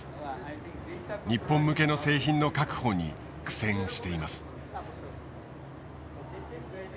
日本向けの製品の確保に苦戦しています。